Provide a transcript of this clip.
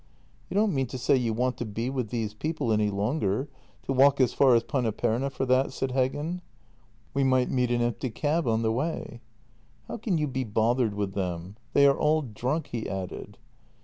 " You don't mean to say you want to be with these people any longer — to walk as far as Paneperna for that?" said Heggen. " We might meet an empty cab on the way." JENNY 259 " How can you be bothered with them? — they are all drunk," he added.